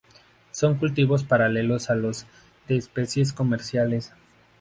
Son cultivos paralelos a los de especies comerciales.